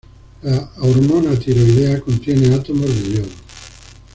La hormona tiroidea contiene átomos de yodo.